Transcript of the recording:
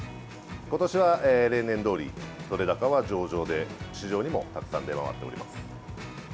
今年は例年どおり取れ高は上々で、市場にもたくさん出回っております。